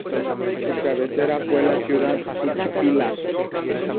Su cabecera fue la ciudad Juchipila.